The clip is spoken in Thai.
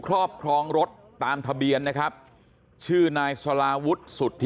ครอบครองรถตามทะเบียนนะครับชื่อนายสลาวุฒิสุทธิ